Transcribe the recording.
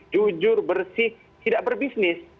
jujur bersih tidak berbisnis